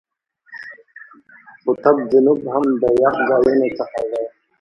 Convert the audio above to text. قطب جنوب هم د یخ ځایونو څخه دی.